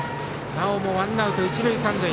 なおもワンアウト一塁三塁。